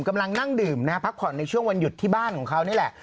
กำลังนั่งดื่มนะฮะพักผ่อนในช่วงวันหยุดที่บ้านของเขานี่แหละ